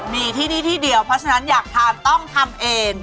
มีที่นี่ที่เดียวเพราะฉะนั้นอยากทานต้องทำเอง